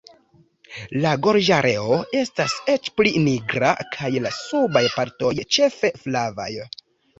La gorĝareo estas eĉ pli nigra, kaj la subaj partoj ĉefe flavaj.